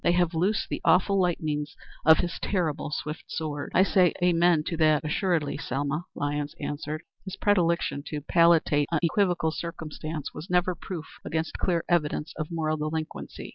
'They have loosed the awful lightnings of his terrible swift sword.'" "I say 'amen' to that assuredly, Selma," Lyons answered. His predilection to palliate equivocal circumstances was never proof against clear, evidence of moral delinquency.